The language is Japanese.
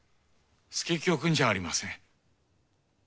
佐清くんじゃありません。